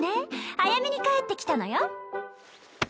早めに帰って来たのよ。